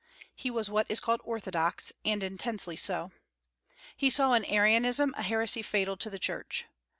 He was what is called orthodox, and intensely so. He saw in Arianism a heresy fatal to the Church.